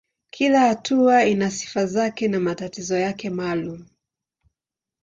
Kila hatua ina sifa zake na matatizo yake maalumu.